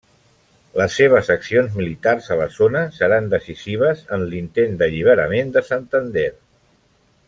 Les seves accions militars a la zona seran decisives en l'intent d'alliberament de Santander.